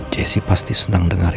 jessi pasti senang dengar ini